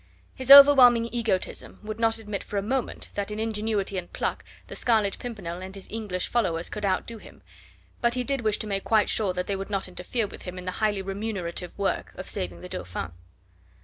His overwhelming egotism would not admit for a moment that in ingenuity and pluck the Scarlet Pimpernel and his English followers could outdo him, but he did wish to make quite sure that they would not interfere with him in the highly remunerative work of saving the Dauphin.